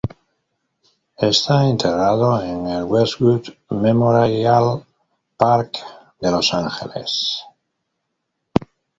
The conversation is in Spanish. Está enterrado en el Westwood Memorial Park de Los Angeles.